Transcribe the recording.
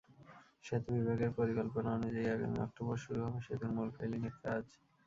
সেতু বিভাগের পরিকল্পনা অনুযায়ী, আগামী অক্টোবরে শুরু হবে সেতুর মূল পাইলিংয়ের কাজ।